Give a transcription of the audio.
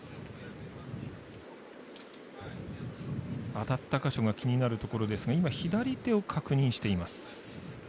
当たった箇所が気になるところですが左手を確認しています。